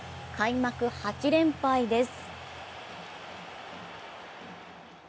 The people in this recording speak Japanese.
開幕８連敗です。